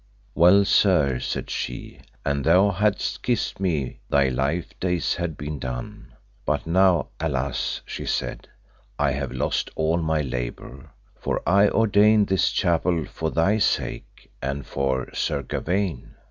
Well, sir, said she, an thou hadst kissed me thy life days had been done, but now, alas, she said, I have lost all my labour, for I ordained this chapel for thy sake, and for Sir Gawaine.